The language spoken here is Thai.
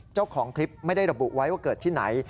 เจ้าของคลิปไม่ได้ระบุไว้ว่าเกิดที่ไหน